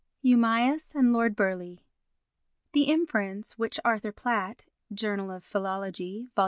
Eumaeus and Lord Burleigh The inference which Arthur Platt (Journal of Philology, Vol.